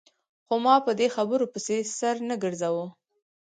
خو ما په دې خبرو پسې سر نه ګرځاوه.